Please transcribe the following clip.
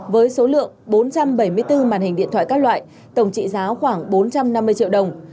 với số lượng bốn trăm bảy mươi bốn màn hình điện thoại các loại tổng trị giá khoảng bốn trăm năm mươi triệu đồng